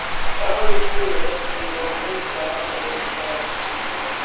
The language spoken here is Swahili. kauli hiyo iliwaumiza watu wengi sana